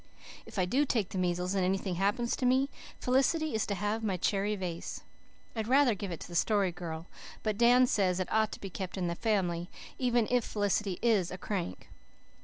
If I do take the measles and anything happens to me Felicity is to have my cherry vase. I'd rather give it to the Story Girl, but Dan says it ought to be kept in the family, even if Felicity is a crank.